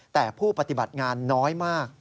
แต่ผู้ปฏิบัติงานน้อยมาก